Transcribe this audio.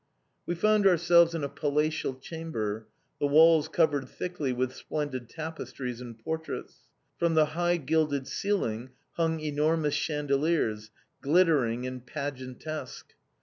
We found ourselves in a palatial chamber, the walls covered thickly with splendid tapestries and portraits. From the high gilded ceiling hung enormous chandeliers, glittering and pageantesque.